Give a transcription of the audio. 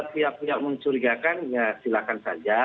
tidak punya mencurigakan ya silakan saja